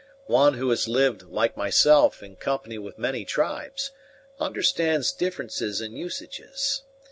One who has lived, like myself, in company with many tribes, understands differences in usages.